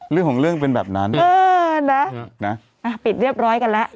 เรื่องของเรื่องเป็นแบบนั้นเออนะปิดเรียบร้อยกันแล้ว